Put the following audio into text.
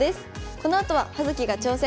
このあとは「葉月が挑戦！」。